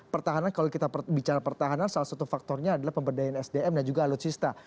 pertahanan kalau kita bicara pertahanan salah satu faktornya adalah pemberdayaan sdm dan juga alutsista